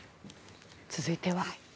続いては。